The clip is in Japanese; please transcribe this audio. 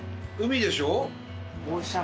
海でしょ？